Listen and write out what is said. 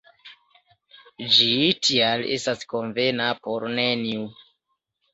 Ĝi, tial, estas konvena por neniu.